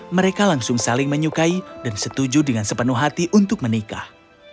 mereka langsung saling menyukai dan setuju dengan sepenuh hati untuk menikah